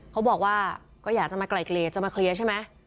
เขาบอกว่าก็อยากจะมาไกลเกลียดจะมาเคลียร์ใช่ไหม